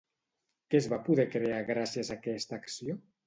Què es va poder crear gràcies a aquesta acció?